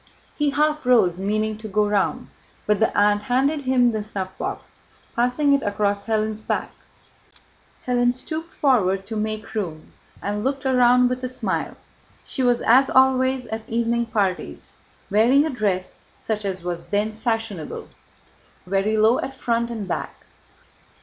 He half rose, meaning to go round, but the aunt handed him the snuffbox, passing it across Hélène's back. Hélène stooped forward to make room, and looked round with a smile. She was, as always at evening parties, wearing a dress such as was then fashionable, cut very low at front and back.